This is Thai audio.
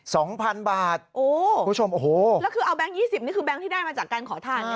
สองพันบาทโอ้คุณผู้ชมโอ้โหแล้วคือเอาแก๊งยี่สิบนี่คือแก๊งที่ได้มาจากการขอทาน